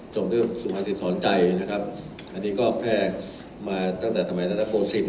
ส่วนเรื่องสุภาษิษฐรณ์ของใจนะครับอันนี้ก็แพร่มาตั้งแต่สมัยราตราโปซิน